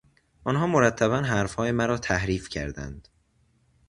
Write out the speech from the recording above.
آنها مرتبا حرفهای مرا تحریف کردند.